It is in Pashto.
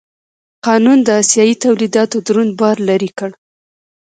قانون د اسیايي تولیداتو دروند بار لرې کړ.